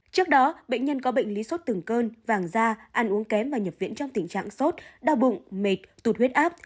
trước đó bệnh nhân có bệnh lý sốt từng cơn vàng da ăn uống kém và nhập viện trong tình trạng sốt đau bụng mệt tụt huyết áp